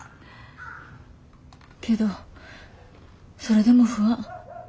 けどそれでも不安。